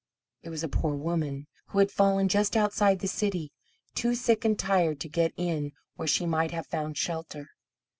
It was a poor woman, who had fallen just outside the city, too sick and tired to get in where she might have found shelter.